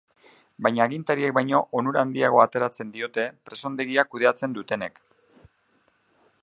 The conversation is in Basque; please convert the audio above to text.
Baina agintariek baino onura handiagoa ateratzen diote presondegia kudeatzen dutenek.